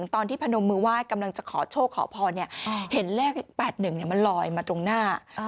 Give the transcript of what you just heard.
ตอนที่พญนมมือว่ายเกมลงจะขอโชคขอพอเนี่ยเห็นเลข๘๑มันลอยมาตรงหน้า